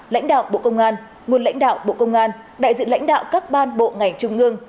lãnh đạo bộ công an nguồn lãnh đạo bộ công an đại diện lãnh đạo các ban bộ ngành trung ương